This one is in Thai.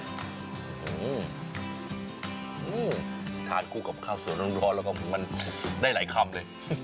ทานคู่กับข้าวสวยร้อนแล้วก็มันได้หลายคำเลย